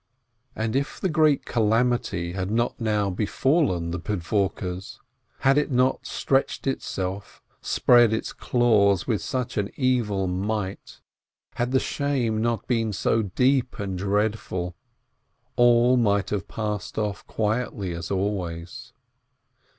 And if the great calamity had not now befallen the Pidvorkes, had it not stretched itself, spread its claws with such an evil might, had the shame not been so deep and dreadful, all might have passed off quietly as always.